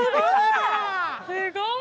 すごい！